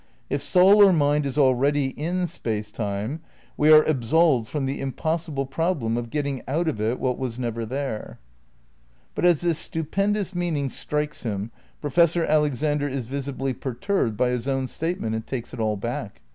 If soul or mind is already in Space Time we are absolved from the impossible problem of get ting out of it what was never there. But as this stupendous meaning strikes him Profes sor Alexander is visibly perturbed by his own state ment and takes it all back.